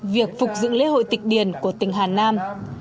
việc phục dựng lễ hội tịch điền của tỉnh hà nam